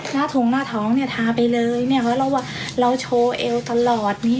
หน้าถุงหน้าท้องเนี่ยทาไปเลยเนี่ยว่าเราโชว์เอวตลอดเนี่ย